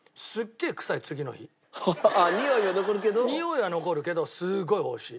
においは残るけどすごい美味しい。